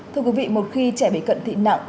thưa quý vị một khi trẻ bị cận thị nặng